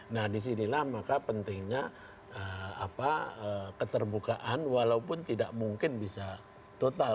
nah disinilah maka pentingnya keterbukaan walaupun tidak mungkin bisa total